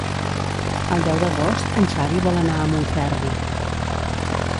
El deu d'agost en Xavi vol anar a Montferri.